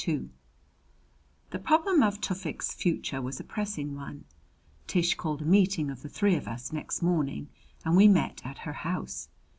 II The problem of Tufik's future was a pressing one. Tish called a meeting of the three of us next morning, and we met at her house.